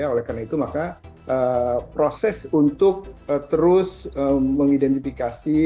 oleh karena itu maka proses untuk terus mengidentifikasi